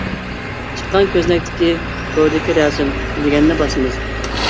چىققان كۆزنەكتىكى «توردىكى رەسىم» دېگەننى باسمىز.